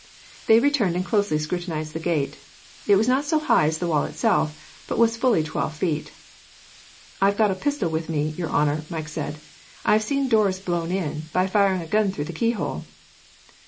They returned, and closely scrutinized the gate. It was not so high as the wall itself, but was fully twelve feet. "I have got a pistol with me, your honour," Mike said. "I have seen doors blown in, by firing a gun through the keyhole."